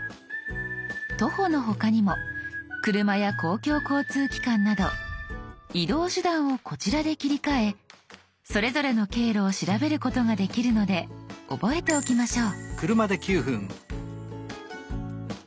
徒歩の他にも車や公共交通機関など移動手段をこちらで切り替えそれぞれの経路を調べることができるので覚えておきましょう。